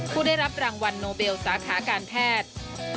ผู้ได้รับรางวัลโนเบลสาขาการแพทย์